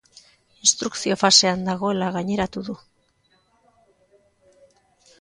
Instrukzio fasean dagoela gaineratu du.